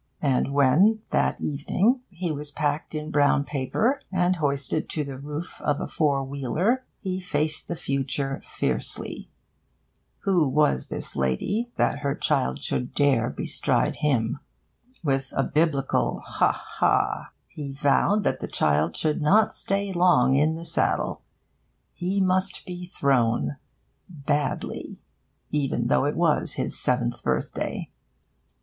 And when, that evening, he was packed in brown paper and hoisted to the roof of a four wheeler, he faced the future fiercely. Who was this lady that her child should dare bestride him? With a biblical 'ha, ha,' he vowed that the child should not stay long in saddle: he must be thrown badly even though it was his seventh birthday.